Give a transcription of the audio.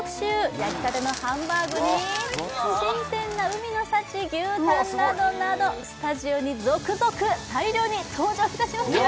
焼きたてのハンバーグに新鮮な海の幸牛タンなどなどスタジオに続々大量に登場いたしますよ